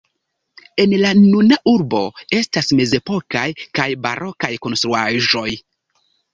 En la nuna urbo estas mezepokaj kaj barokaj konstruaĵoj.